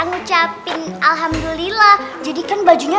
ngucapin alhamdulillah jadikan bajunya